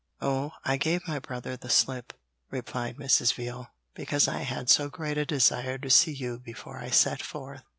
'Oh, I gave my brother the slip,' replied Mrs. Veal, 'because I had so great a desire to see you before I set forth.'